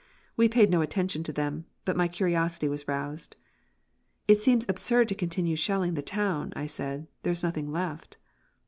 We paid no attention to them, but my curiosity was roused. "It seems absurd to continue shelling the town," I said. "There is nothing left."